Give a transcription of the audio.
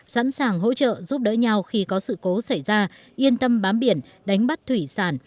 sẵn sàng hỗ trợ giúp đỡ nhau khi có sự cố xảy ra yên tâm bám biển đánh bắt thủy sản